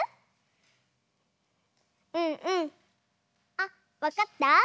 あわかった？